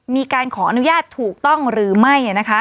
มีการขออนุญาตถูกต้องหรือไม่